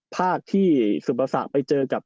ภาคที่ซึนปราศาสตร์ไปเจอกับ